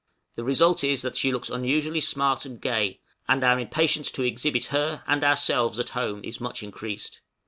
The result is that she looks unusually smart and gay, and our impatience to exhibit her, and ourselves at home is much increased.